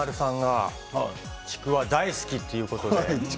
華丸さんがちくわ大好きということで。